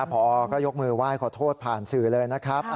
พอก็ยกมือไหว้ขอโทษผ่านสื่อเลยนะครับ